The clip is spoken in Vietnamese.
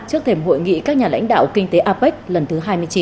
trước thềm hội nghị các nhà lãnh đạo kinh tế apec lần thứ hai mươi chín